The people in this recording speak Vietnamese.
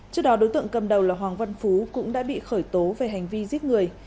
trước đó đối tượng cầm đầu là hoàng văn phú cũng đã bị khởi tố về hành vi giết người